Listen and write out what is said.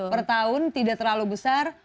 pertahun tidak terlalu besar